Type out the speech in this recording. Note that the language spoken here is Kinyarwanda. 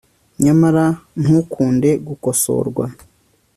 nyamara ntukunde gukosorwa